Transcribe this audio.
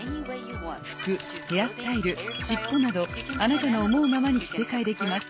服ヘアスタイルしっぽなどあなたの思うままに着せ替えできます。